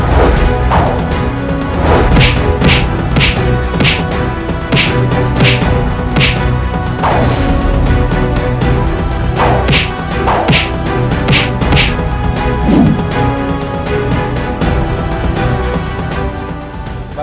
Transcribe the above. kau sudah semakin matang dengan jurus pertama